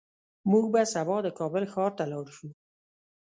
موږ به سبا د کابل ښار ته لاړ شو